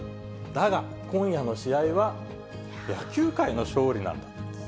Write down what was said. だが、今夜の試合は野球界の勝利なんだ。